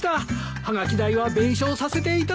はがき代は弁償させていただきます。